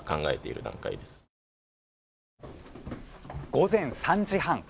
午前３時半。